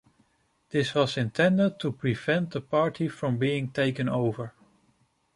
This was intended to prevent the party from being taken over.